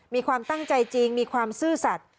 มีความตั้งใจจริงมีความซื่อสัตว์